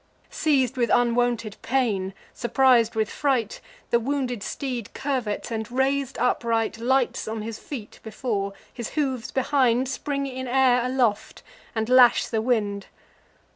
Seiz'd with unwonted pain, surpris'd with fright, The wounded steed curvets, and, rais'd upright, Lights on his feet before; his hoofs behind Spring up in air aloft, and lash the wind.